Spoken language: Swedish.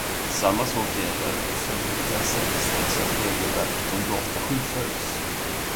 Samma sak gäller för hur det kan säkerställas att regelverket om dataskydd följs.